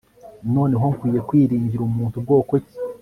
Noneho nkwiye kwiringira Umuntu bwoko ki